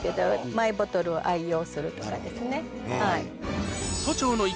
マイボトルを愛用するとかですね。